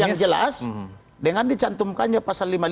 yang jelas dengan dicantumkannya pasal lima puluh delapan